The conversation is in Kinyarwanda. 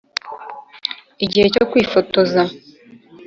igihe cyo kwifotoza!